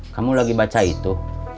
kamu lagi baca itu